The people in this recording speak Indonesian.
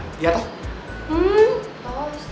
hmm tau sih